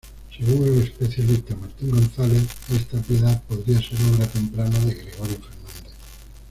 Según el especialista Martín González, esta Piedad podría ser obra temprana de Gregorio Fernández.